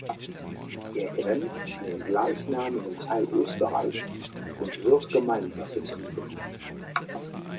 Er grenzt an den gleichnamigen Teil Österreichs und wird gemeinsam betrieben.